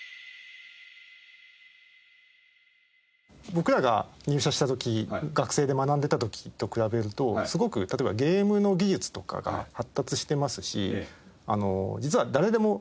僕らが入社した時学生で学んでた時と比べるとすごく例えばゲームの技術とかが発達してますし実は誰でも。